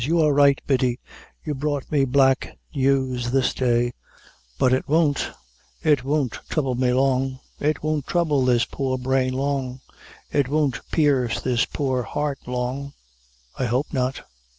You were right, Biddy, you brought me black news this day but it won't it won't throuble me long it won't trouble this poor brain long it won't pierce this poor heart long I hope not.